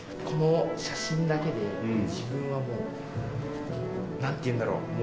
この写真だけで自分はもう何ていうんだろう